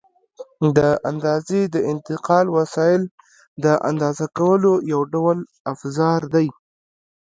د اندازې د انتقال وسایل د اندازه کولو یو ډول افزار دي.